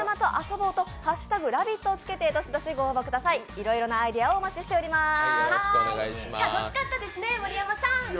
いろいろなアイデアをお待ちしています楽しかったですね、盛山さん。